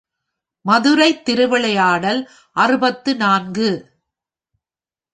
மதுரைத் திருவிளையாடல் அறுபத்து நான்கு.